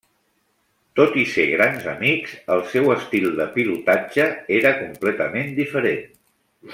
Tot i ser grans amics el seu estil de pilotatge era completament diferent.